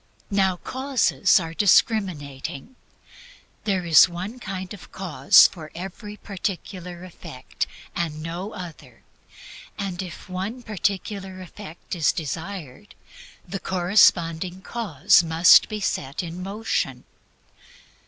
Now causes are discriminating. There is one kind of cause for every particular effect and no other, and if one particular effect is desired, the corresponding cause must be set in motion.